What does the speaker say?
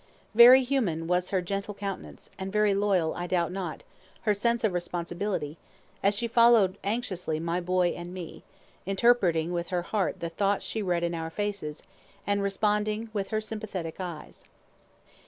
Very human was her gentle countenance, and very loyal, I doubt not, her sense of responsibility, as she followed anxiously my boy and me, interpreting with her heart the thoughts she read in our faces, and responding with her sympathetic eyes.